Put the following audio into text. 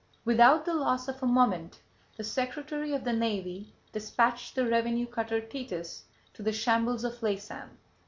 Without the loss of a moment the Secretary of the Navy despatched the revenue cutter Thetis to the shambles of Laysan.